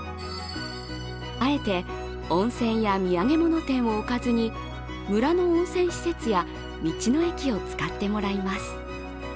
あえて温泉や土産物店を置かずに村の温泉施設や道の駅を使ってもらいます。